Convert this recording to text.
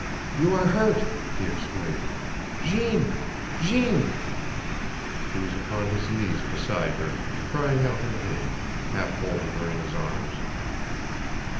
"You are hurt!" he exclaimed. "Jeanne! Jeanne!" He was upon his knees beside her, crying out her name, half holding her in his arms.